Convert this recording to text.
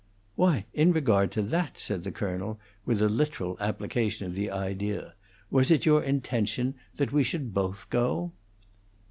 "Why, in regard to that," said the colonel, with a literal application of the idea, "was it your intention that we should both go?"